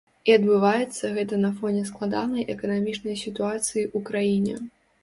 І адбываецца гэта на фоне складанай эканамічнай сітуацыі ў краіне.